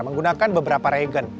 menggunakan beberapa regen